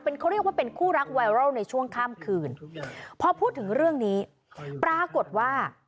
เขาเรียกว่าเป็นคู่รักไวรัลในช่วงข้ามคืนพอพูดถึงเรื่องนี้ปรากฏว่า